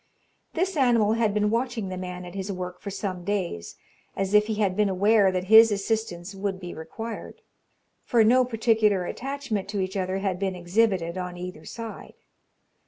This animal had been watching the man at his work for some days, as if he had been aware that his assistance would be required; for no particular attachment to each other had been exhibited on either side.